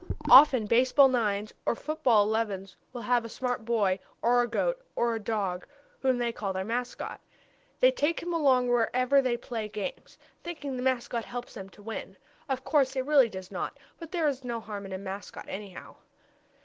Often baseball nines, or football elevens, will have a small boy, or a goat, or a dog whom they call their mascot. They take him along whenever they play games, thinking the mascot helps them to win. Of course it really does not, but there is no harm in a mascot, anyhow.